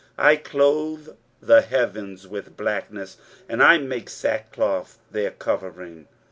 23:050:003 I clothe the heavens with blackness, and I make sackcloth their covering.